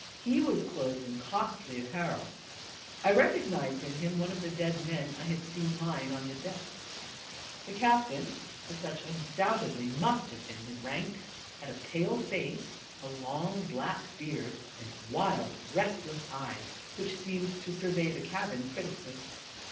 He was clothed in costly apparel. I recognized in him one of the dead men I had seen lying on the deck. The captain (for such undoubtedly must have been his rank) had a pale face, a long black beard, and wild, restles eyes, which seemed to survey the cabin critically.